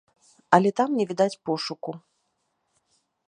Але там не відаць пошуку.